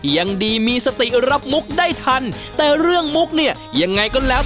ยังดีมีสติรับมุกได้ทันแต่เรื่องมุกเนี่ยยังไงก็แล้ว